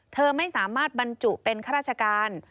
เธอไม่สามารถบรรจุเป็นข้าราชการ